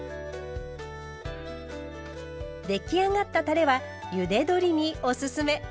出来上がったたれはゆで鶏におすすめ。